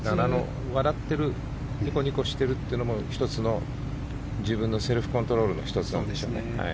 笑っているニコニコしてるというのも自分のセルフコントロールの１つなんでしょうね。